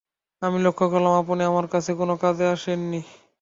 আমি লক্ষ করলাম, আপনি আমার কাছে কোনো কাজে আসেন নি।